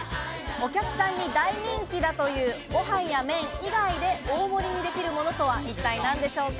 お客さんに大人気だという、ご飯や麺以外で大盛りにできるものとは一体何でしょうか？